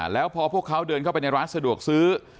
แล้วพอพวกเขาเดินเข้าไปในร้านสะดวกซื้อ